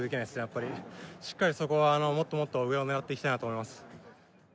やっぱりしっかりそこはもっともっと上を狙っていきたいなと思います